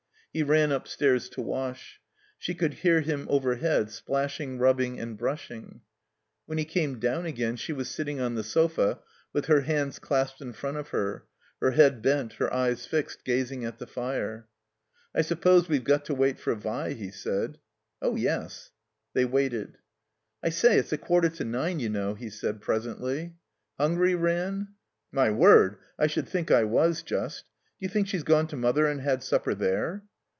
He ran upstairs to wash. She could hear him over head, splashing, rubbing, and brushing. When he came down again she was sitting on the sofa with her hands clasped in front of her, her head bent, her eyes fixed, gazing at the floor. "I suppose we've got to wait for Vi," he said. "Oh yes." They waited. "I say, it's a quarter to nine, you know," he said, presently. "Hungry, Ran?" "My word! I should think I was just. D'you think she's gone to Mother and had supper there?"